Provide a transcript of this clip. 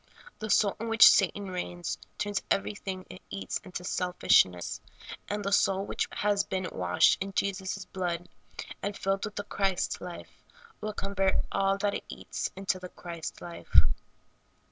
The soul in which Satan reigns turns everything it eats into selfishness, and the soul which has been washed in Jesus' blood and filled with the Christ life will convert all that it eats into the Christ life.